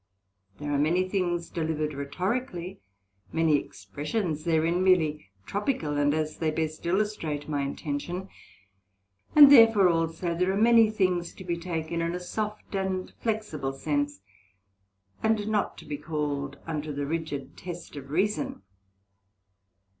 There are many things delivered Rhetorically, many expressions therein meerly Tropical, and as they best illustrate my intention; and therefore also there are many things to be taken in a soft and flexible sense, and not to be called unto the rigid test of Reason.